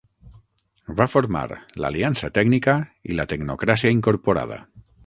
Va formar l'Aliança Tècnica i la Tecnocràcia Incorporada.